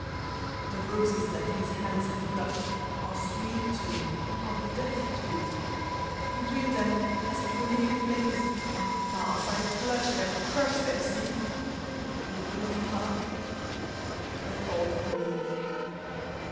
The roses that his hands have plucked, Are sweet to me, are death to me ; Between them, as through living flames I pass, I clutch them, crush them, see 1 The bloom for her, the thorn for me.